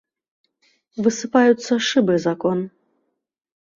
Высыпаюцца шыбы з акон.